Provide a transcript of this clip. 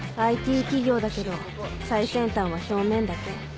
ＩＴ 企業だけど最先端は表面だけ